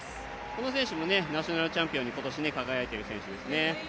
この選手もナショナルチャンピオンに今年輝いている選手です。